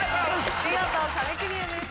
見事壁クリアです。